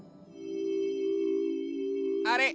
あれ？